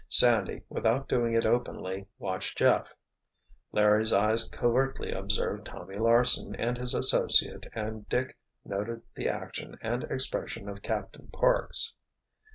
Sandy, without doing it openly, watched Jeff. Larry's eyes covertly observed Tommy Larsen and his associate and Dick noted the action and expression of Captain Parks.